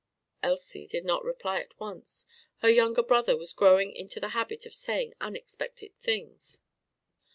Elsie did not reply at once. Her younger brother was growing into the habit of saying unexpected things.